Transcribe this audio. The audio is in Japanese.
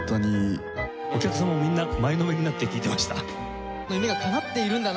お客さんもみんな前のめりになって聴いてました。